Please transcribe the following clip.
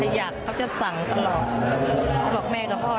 มีอะไรที่อยากให้พ่อมาให้แม่มันก็จะบอก